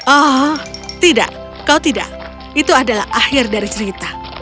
oh tidak kau tidak itu adalah akhir dari cerita